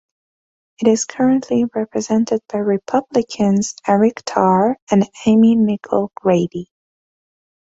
It is currently represented by Republicans Eric Tarr and Amy Nichole Grady.